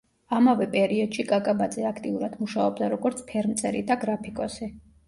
ამავე პერიოდში კაკაბაძე აქტიურად მუშაობდა როგორც ფერმწერი და გრაფიკოსი.